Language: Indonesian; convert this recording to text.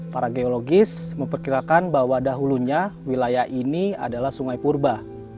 para geologis memperkirakan bahwa dahulunya wilayah ini adalah sungai purba